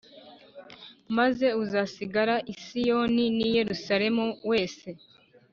Maze uzasigara i Siyoni n i Yerusalemu wese